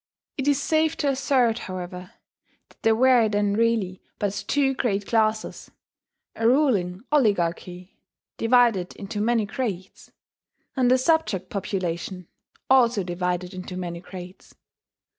It is safe to assert, however, that there were then really but two great classes, a ruling oligarchy, divided into many grades; and a subject population, also divided into many grades.